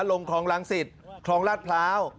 ลงคลองลังศิษย์คลองราชพร้าว